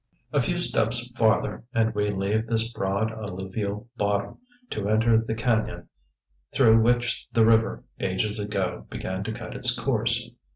A few steps farther and we leave this broad alluvial bottom to enter the cañon through which the river, ages ago, began to cut its course.